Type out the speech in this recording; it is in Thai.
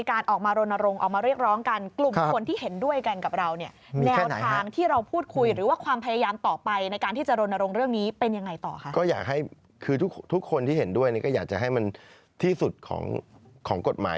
ก็อยากให้คือทุกทุกคนที่เห็นด้วยนี่ก็อยากจะให้มันที่สุดของของกฎหมาย